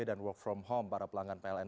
dan work from home para pelanggan pln